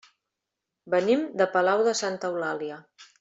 Venim de Palau de Santa Eulàlia.